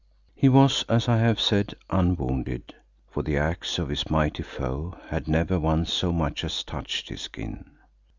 He was, as I have said, unwounded, for the axe of his mighty foe had never once so much as touched his skin.